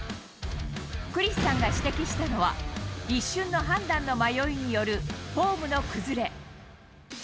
クリスさんが指摘したのは、一瞬の判断の迷いによるフォームの崩れ。